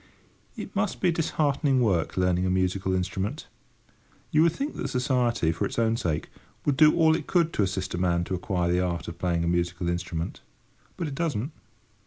It must be disheartening work learning a musical instrument. You would think that Society, for its own sake, would do all it could to assist a man to acquire the art of playing a musical instrument. But it doesn't!